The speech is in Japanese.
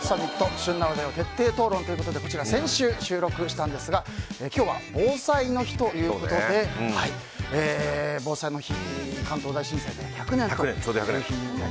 旬な話題を徹底討論ということで先週、収録をしたんですが今日は防災の日ということで関東大震災から１００年という日。